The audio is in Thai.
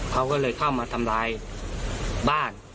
เขาก็เลยเข้ามาทำลายบ้าน